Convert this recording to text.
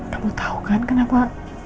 kamu tahu kan kenapa